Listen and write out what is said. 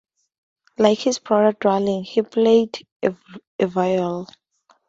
Like his brother Dwalin, he played a viol.